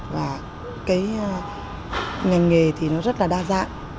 và cái ngành nghề thì nó rất là đa dạng